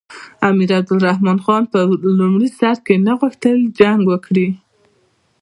امیر عبدالرحمن خان په لومړي سر کې نه غوښتل جنګ وکړي.